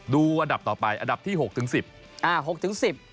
ดูอันดับต่อไปอันดับที่๖๑๐